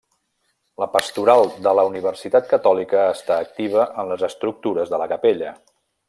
La pastoral de la universitat catòlica està activa en les estructures de la capella.